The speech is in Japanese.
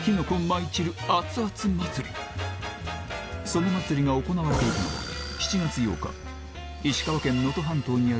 その祭りが行われているのは皆さん。